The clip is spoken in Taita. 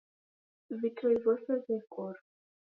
Vitoi vose vekorwa.